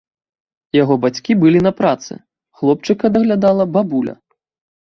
Яго бацькі былі на працы, хлопчыка даглядала бабуля.